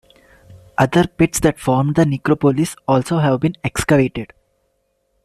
Other pits that formed the necropolis also have been excavated.